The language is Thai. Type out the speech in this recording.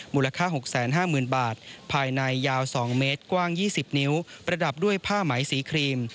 มูลค่า๖๕๐๐๐บาทภายในยาว๒เมตรกว้าง๒๐นิ้วประดับด้วยผ้าไหมสีครีม